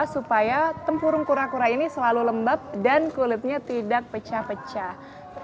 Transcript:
supaya tempurung kura kura ini selalu lembab dan kulitnya tidak pecah pecah